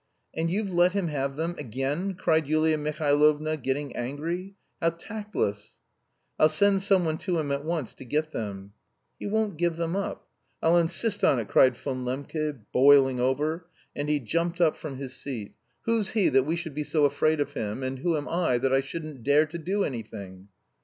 "And you've let him have them, again!" cried Yulia Mihailovna getting angry. "How tactless!" "I'll send someone to him at once to get them." "He won't give them up." "I'll insist on it," cried Von Lembke, boiling over, and he jumped up from his seat. "Who's he that we should be so afraid of him, and who am I that I shouldn't dare to do any thing?"